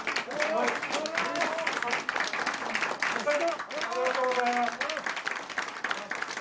おめでとうございます。